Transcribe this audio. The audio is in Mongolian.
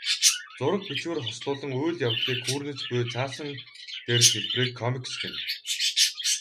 Зураг, бичвэр хослуулан үйл явдлыг хүүрнэж буй цаасан дээрх хэлбэрийг комикс гэнэ.